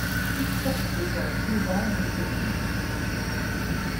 Toutes sortes de gens sauvages et terribles ;